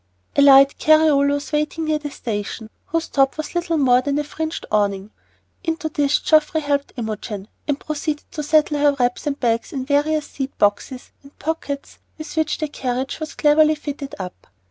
A light carryall was waiting near the station, whose top was little more than a fringed awning. Into this Geoffrey helped Imogen, and proceeded to settle her wraps and bags in various seat boxes and pockets with which the carriage was cleverly fitted up.